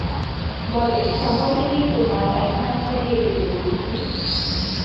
বলে, সময় পেলেই তোমার একখানা ছবি এঁকে দেব খুকি!